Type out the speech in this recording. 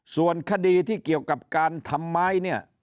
ส่วนคดีที่เกี่ยวกับการทำไม้เนี่ย